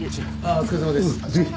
お疲れさまです！